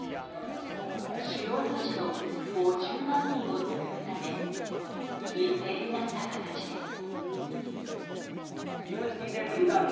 主要都市の５０万人を救うため犠牲になった形です。